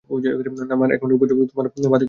নামার একমাত্র উপায় হচ্ছে তোমার পা থেকে দড়ি খোলা।